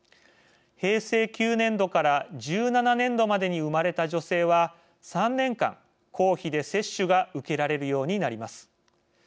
平成９年度から１７年度までに生まれた女性は３年間公費で接種が受けられるようになります。